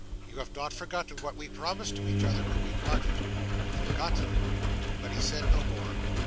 You have not forgotten what we promised to each other, when we parted?" "Forgotten!" But he said no more.